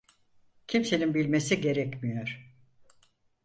Kimsenin bilmesi gerekmiyor.